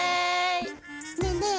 ねえねえ